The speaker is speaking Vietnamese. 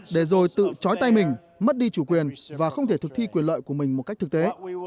để rồi tự chói tay mình mất đi chủ quyền và không thể thực thi quyền lợi của mình một cách thực tế